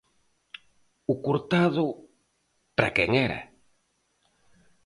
O cortado para quen era?